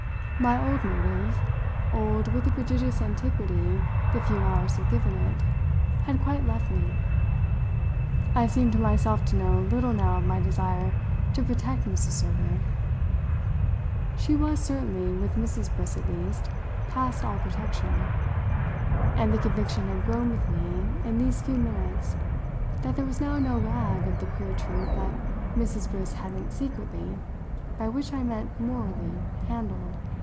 My old motive old with the prodigious antiquity the few hours had given it had quite left me; I seemed to myself to know little now of my desire to "protect" Mrs. Server. She was certainly, with Mrs. Briss at least, past all protection; and the conviction had grown with me, in these few minutes, that there was now no rag of the queer truth that Mrs. Briss hadn't secretly by which I meant morally handled.